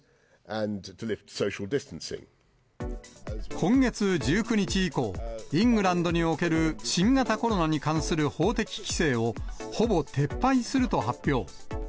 今月１９日以降、イングランドにおける新型コロナに関する法的規制をほぼ撤廃すると発表。